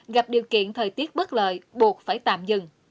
gặp điều kiện thời tiết bất lợi buộc phải tạm dừng